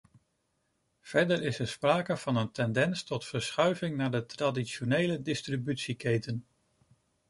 Verder is er sprake van een tendens tot verschuiving naar de traditionele distributieketen.